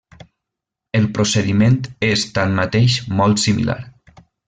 El procediment és tanmateix molt similar.